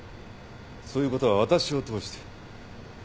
そういうことは私を通して。